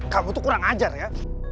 kamu tuh kurang ajar ya